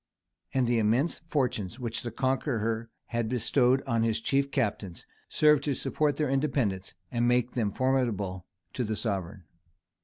And the immense fortunes which the Conqueror had bestowed on his chief captains, served to support their independence, and make them formidable to the sovereign.